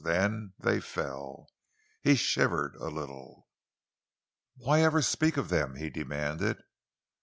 Then they fell. He shivered a little. "Why ever speak of them?" he demanded.